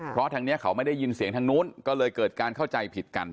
เพราะทางนี้เขาไม่ได้ยินเสียงทางนู้นก็เลยเกิดการเข้าใจผิดกัน